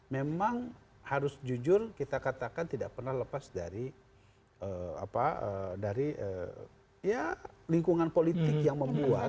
memang harus jujur kita katakan tidak pernah lepas dari lingkungan politik yang membuat